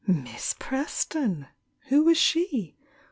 Miss Preston! Who was she?